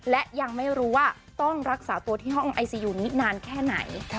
และยังไม่รู้ว่าต้องรักษาตัวที่ห้องไอซียูนิดนานแค่ไหน